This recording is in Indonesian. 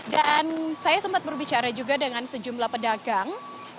dan saya sempat berbicara juga dengan sejumlah pedagang